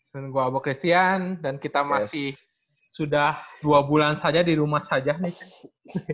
dan gue abok christian dan kita masih sudah dua bulan saja di rumah saja nih